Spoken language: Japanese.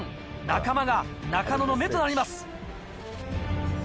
仲間が中野の目となります。